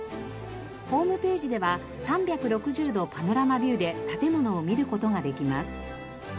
ホームページでは３６０度パノラマビューで建物を見る事ができます。